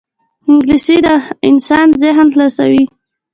انګلیسي د انسان ذهن خلاصوي